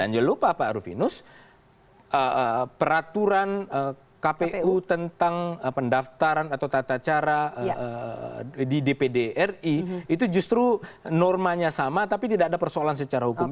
jangan lupa pak rufinus peraturan kpu tentang pendaftaran atau tata cara di dpd ri itu justru normanya sama tapi tidak ada persoalan secara hukum